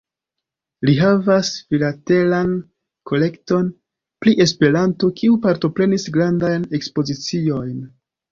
Li havas filatelan kolekton pri Esperanto, kiu partoprenis grandajn ekspoziciojn.